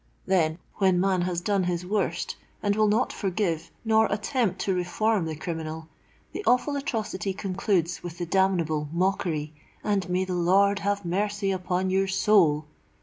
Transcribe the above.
_' Then, when man has done his worst, and will not forgive nor attempt to reform the criminal, the awful atrocity concludes with the damnable mockery—'_And may the Lord have mercy upon your soul!